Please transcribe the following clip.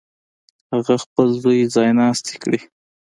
هغه خپل زوی ځایناستی کړي.